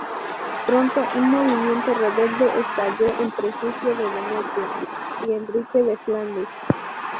Pronto un movimiento rebelde estalló en perjuicio de Demetrio y Enrique de Flandes.